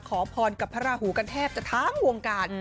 ขอพรกับพระราหูกันแทบจะทั้งวงการ